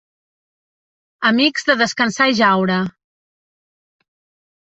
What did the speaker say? Amics de Descansar i Jaure.